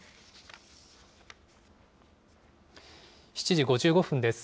７時５５分です。